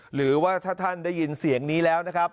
หรือว่าถ้าท่านได้ยินเสียงนี้แล้วนะครับ